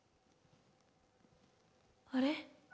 あれ？